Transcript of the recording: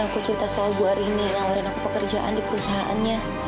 aku mau cerita soal bu arini yang nawarin aku pekerjaan di perusahaannya